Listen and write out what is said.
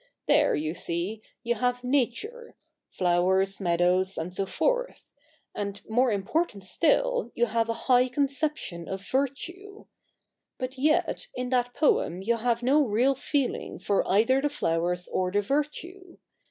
There, you see, you have nature —flowers, meadows, and so forth ; and more important still you have a high conception of virtue. But yet in that poem you have no real feeling for either the flowers or the virtue.